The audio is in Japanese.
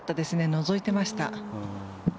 のぞいてました。